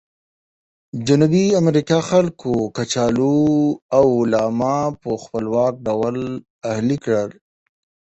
جنوبي امریکا خلکو کچالو او لاما په خپلواکه ډول اهلي کړل.